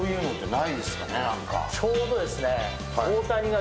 ちょうどですね。